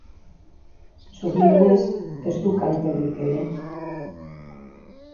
Zorionez, ez du kalterik egin.